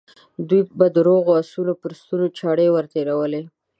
دوی به د روغو آسونو پر ستونو چاړې ور تېرولې.